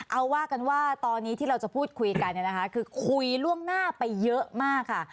เอาว่ากันว่าตอนนี้ที่เราจะพูดคุยกันเนี่ยนะคะคือคุยล่วงหน้าไปเยอะมากค่ะ